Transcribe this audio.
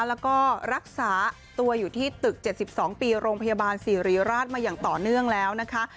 แล้วก็รักษาตัวอยู่ที่ตึก๗๒ปีโรงพยาบาลสิริราชมาอย่างต่อเนื่องแล้วนะคะ